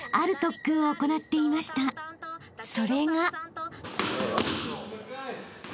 ［それが］